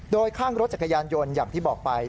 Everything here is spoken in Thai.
โดยข้างรถจักรยานยนต์อย่างที่บอกไป